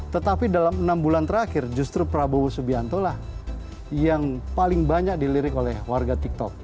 tetapi dalam enam bulan terakhir justru prabowo subianto lah yang paling banyak dilirik oleh warga tiktok